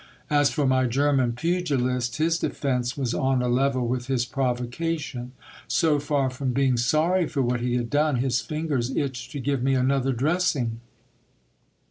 As for my German pugilist, his defence was on a level with his provocation ; so far from being tony for what he had done, his fingers itched to give me another dressing.